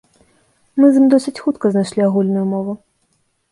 Мы з ім досыць хутка знайшлі агульную мову.